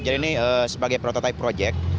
jadi ini sebagai prototype project